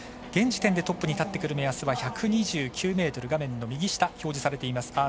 現時点でトップに立ってくる目安は１２９ｍ画面の右下に表示されています。